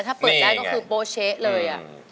ถ้าเปิดได้ก็คือโปเช๊ะเลย